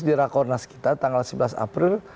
di rakornas kita tanggal sebelas april